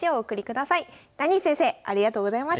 ダニー先生ありがとうございました。